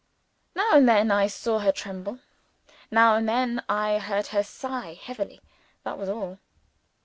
Now and then, I saw her tremble; now and then I heard her sigh heavily. That was all.